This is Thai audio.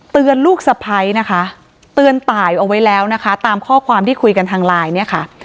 ลูกสะพ้ายนะคะเตือนตายเอาไว้แล้วนะคะตามข้อความที่คุยกันทางไลน์เนี่ยค่ะ